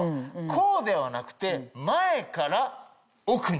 こうではなくて前から奥に。